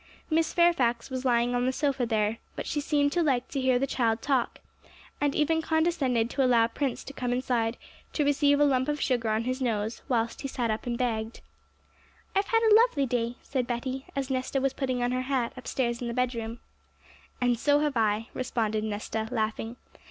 Miss Fairfax was lying on the sofa there, but she seemed to like to hear the child talk, and even condescended to allow Prince to come inside to receive a lump of sugar on his nose, whilst he sat up and begged. 'I've had a lovely day,' said Betty, as Nesta was putting on her hat upstairs in the bedroom. 'And so have I,' responded Nesta, laughing.